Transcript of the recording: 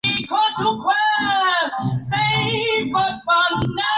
Prestaba especial atención a las manos.